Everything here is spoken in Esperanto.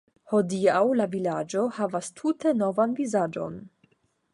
Hodiaŭ la vilaĝo havas tute novan vizaĝon.